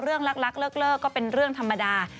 เรื่องรักรักเลิกเลิกก็เป็นเรื่องธรรมดา